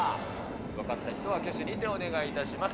分かった人は、挙手にてお願いします。